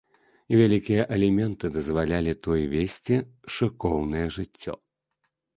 Вялікія аліменты дазвалялі той весці шыкоўнае жыццё.